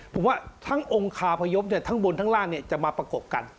ผมว่าทั้งองค์คาพยพทั้งบนทั้งล่างจะมาประกบกัน